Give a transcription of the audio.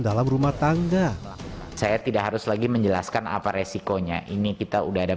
dalam rumah tangga saya tidak harus lagi menjelaskan apa resikonya ini kita udah ada